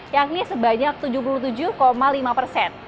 yakni sebanyak tujuh puluh tujuh lima persen